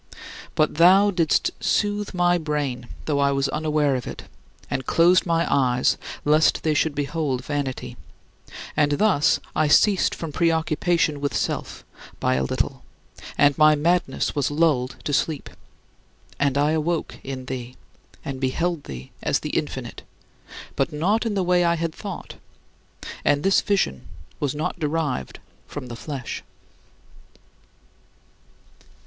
But thou didst soothe my brain, though I was unaware of it, and closed my eyes lest they should behold vanity; and thus I ceased from preoccupation with self by a little and my madness was lulled to sleep; and I awoke in thee, and beheld thee as the Infinite, but not in the way I had thought and this vision was not derived from the flesh.